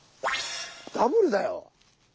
ダブルだよ。